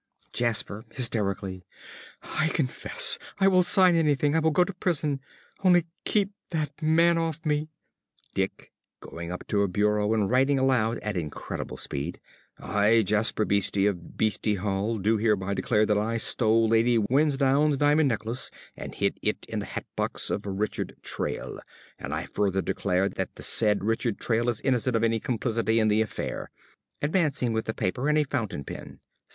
~Jasper~ (hysterically). I confess. I will sign anything. I will go to prison. Only keep that man off me. ~Dick~ (going up to a bureau and writing aloud at incredible speed). "I, Jasper Beeste, of Beeste Hall, do hereby declare that I stole Lady Wilsdon's diamond necklace and hid it in the hatbox of Richard Trayle; and I further declare that the said Richard Trayle is innocent of any complicity in the affair. (_Advancing with the paper and a fountain pen.